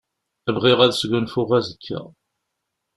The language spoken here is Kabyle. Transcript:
Bɣiɣ ad sgunfuɣ azekka.